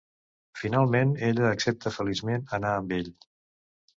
Finalment, ella accepta feliçment anar amb ell.